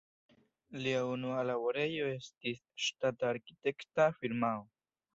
Lia unua laborejo estis ŝtata arkitekta firmao.